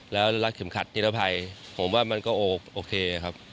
แล้วรัดเข็มขัดนิรภัยผมว่ามันก็โอเคครับ